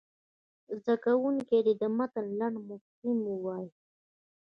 زده کوونکي دې د متن لنډ مفهوم ووایي.